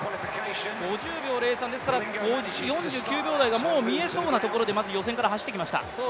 ですから、４９秒台がもう見えそうなタイムでまず予選から走ってきました。